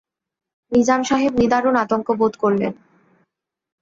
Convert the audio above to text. নিজাম সাহেব নিদারুণ আতঙ্ক বোধ করলেন।